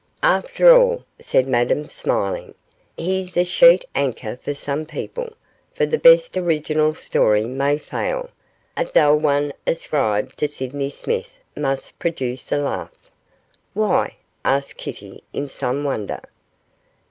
'After all,' said Madame, smiling, 'he's a sheet anchor for some people; for the best original story may fail, a dull one ascribed to Sydney Smith must produce a laugh.' 'Why?' asked Kitty, in some wonder.